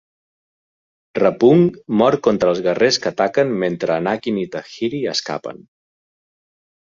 Rapuung mor contra els guerrers que ataquen mentre Anakin i Tahiri escapen.